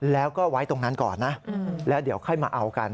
แล้วก็ไว้ตรงนั้นก่อนนะแล้วเดี๋ยวค่อยมาเอากัน